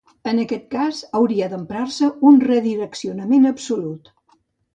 En aquest cas, hauria d'emprar-se un redireccionament absolut.